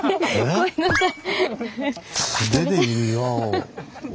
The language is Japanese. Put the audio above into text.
ごめんなさい。